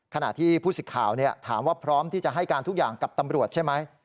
ขณะที่ผู้สิทธิ์ข่าวถามว่าพร้อมที่จะให้การทุกอย่างกับตำรวจใช่ไหม